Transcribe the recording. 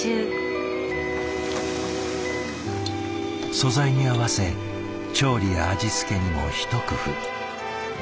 素材に合わせ調理や味付けにも一工夫。